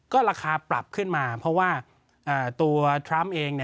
ก็ราคาปรับขึ้นมาเพราะว่าตัวทรัมป์เอง